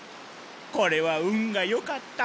これは運がよかった。